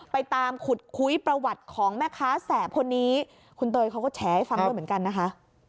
ไปตามขุดคุยประวัติของแม่ค้าแสบคนนี้คุณเตยเขาก็แฉให้ฟังด้วยเหมือนกันนะคะ